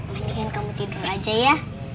mendingan kamu tidur aja ya